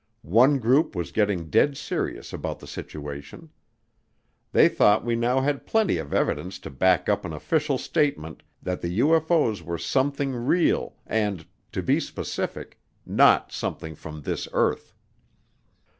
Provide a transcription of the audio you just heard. One group was getting dead serious about the situation. They thought we now had plenty of evidence to back up an official statement that the UFO's were something real and, to be specific, not something from this earth.